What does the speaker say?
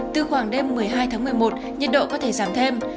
từ khoảng đêm một mươi hai tháng một mươi một nhiệt độ có thể giảm thêm